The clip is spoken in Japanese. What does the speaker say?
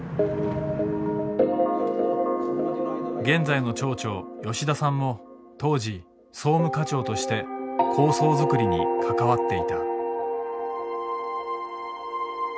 現在の町長吉田さんも当時総務課長として構想づくりに関わっていた。